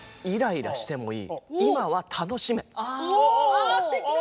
あすてきな！